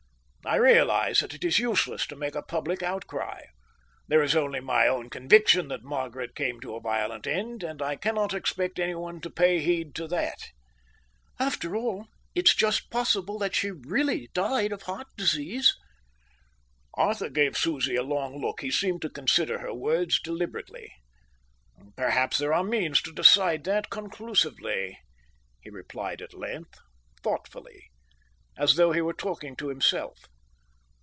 I realize that it is useless to make a public outcry. There is only my own conviction that Margaret came to a violent end, and I cannot expect anyone to pay heed to that." "After all, it's just possible that she really died of heart disease." Arthur gave Susie a long look. He seemed to consider her words deliberately. "Perhaps there are means to decide that conclusively," he replied at length, thoughtfully, as though he were talking to himself.